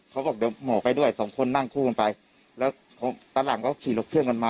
เขาบอกเดี๋ยวหมอไปด้วยสองคนนั่งคู่กันไปแล้วตอนหลังก็ขี่รถเครื่องกันมา